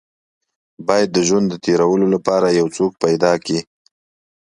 بايد د ژوند د تېرولو لپاره يو څوک پيدا کې.